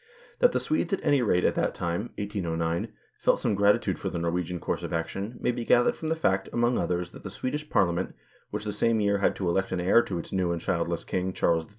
That the Swedes at any rate at that time (1809) felt some gratitude for the Norwegian course of action, may be gathered from the fact, among others, that the Swedish Parliament, which the same year had to elect an heir to its new and childless king, Charles XIII.